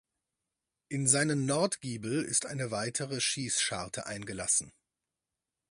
In seinen Nordgiebel ist eine weite Schießscharte eingelassen.